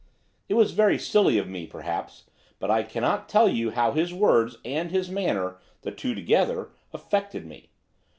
It was very silly of me, perhaps, but I cannot tell you how his words, and his manner the two together affected me.